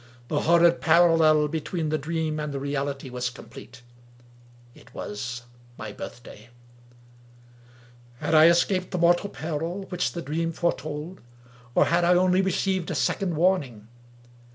The horrid parallel be tween the dream and the reality was complete — ^it was my birthday ! Had I escaped the mortal peril which the dream fore told? or had I only received a second warning?